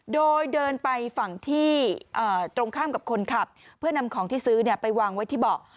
โดยเดินไปฝั่งที่ตรงข้ามกับคนขับเพื่อนำของที่ซื้อไปวางไว้ที่เบาะ